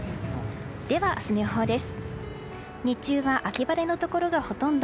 では、明日の予報です。